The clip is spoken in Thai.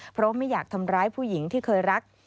เพราะไม่อยากทำร้ายผู้หญิงที่เคยรัก